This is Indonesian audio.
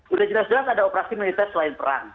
udah jelas jelas ada operasi militer selain perang